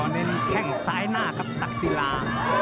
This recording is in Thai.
อ๋อเดี๋ยวแข่งซ้ายหน้ากับตักศิลา